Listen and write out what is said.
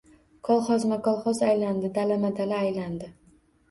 Kolxozma-kolxoz aylandi. Dalama-dala aylandi.